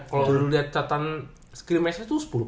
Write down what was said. kalau lo liat catan screen match nya tuh sepuluh poin